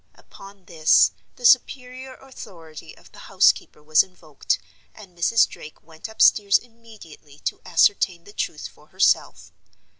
Upon this, the superior authority of the housekeeper was invoked, and Mrs. Drake went upstairs immediately to ascertain the truth for herself.